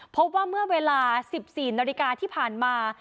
พบว่าเมื่อเวลา๑๔นาฬิกาที่ผ่านมา